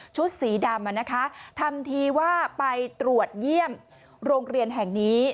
สีดำทำทีว่าไปตรวจเยี่ยมโรงเรียนแห่งนี้